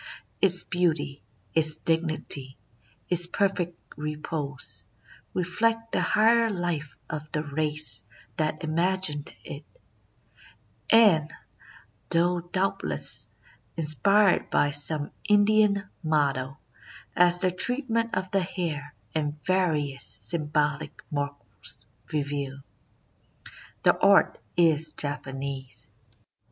Its beauty, its dignity, its perfect repose, reflect the higher life of the race that imagined it; and, though doubtless inspired by some Indian model, as the treatment of the hair and various symbolic marks reveal, the art is Japanese.